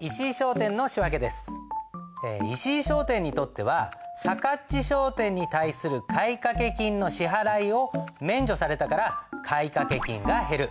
石井商店にとってはさかっち商店に対する買掛金の支払いを免除されたから買掛金が減る。